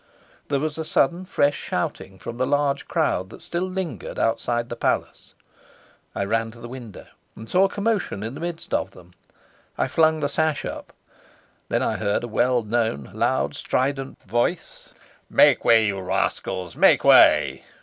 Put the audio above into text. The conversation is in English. There was a sudden fresh shouting from the large crowd that still lingered outside the palace. I ran to the window, and saw a commotion in the midst of them. I flung the sash up. Then I heard a well known, loud, strident voice: "Make way, you rascals, make way."